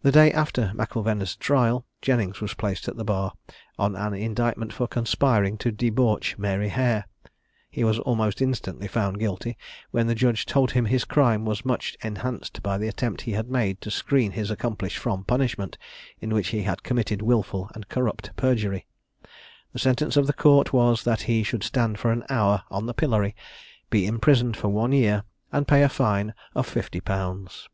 The day after M'Ilvena's trial, Jennings was placed at the bar, on an indictment for conspiring to debauch Mary Hair. He was almost instantly found guilty; when the judge told him his crime was much enhanced by the attempt he had made to screen his accomplice from punishment, in which he had committed wilful and corrupt perjury. The sentence of the court was, that he should stand for an hour on the pillory, be imprisoned for one year, and pay a fine of fifty pounds.